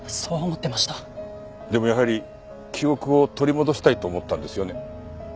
でもやはり記憶を取り戻したいと思ったんですよね？